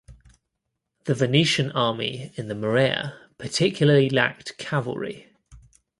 The Venetian army in the Morea particularly lacked cavalry.